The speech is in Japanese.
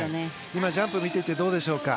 今、ジャンプを見ててどうでしょうか？